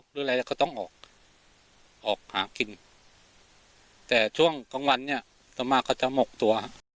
ด้วยอะไรก็ต้องออกออกหากินแต่ช่วงกลางวันเนี้ยต่อมาก็จะหมกตัว